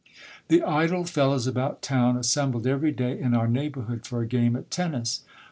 The idle fellows about town assembled every day in our neighbourhood for a game at tennis.